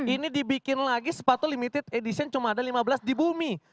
ini dibikin lagi sepatu limited edition cuma ada lima belas di bumi